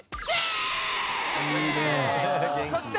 そして。